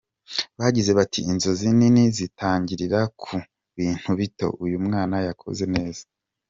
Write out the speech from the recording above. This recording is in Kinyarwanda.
Bagize bati “Inzozi nini zitangirira ku bintu bito… uyu mwana yakoze neza!”.